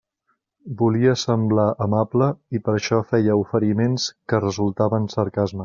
Volia semblar amable, i per això feia oferiments que resultaven sarcasmes.